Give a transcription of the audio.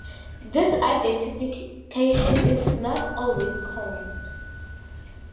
This identification is not always correct.